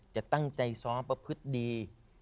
จะตั้งใจซ้อมประพฤติดี